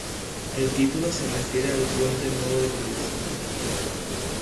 El título se refiere al Puente Nuevo de París.